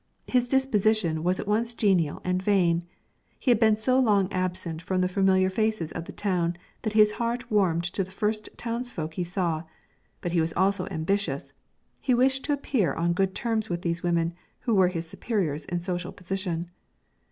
His disposition was at once genial and vain; he had been so long absent from the familiar faces of the town that his heart warmed to the first townsfolk he saw; but he was also ambitious: he wished to appear on good terms with these women, who were his superiors in social position.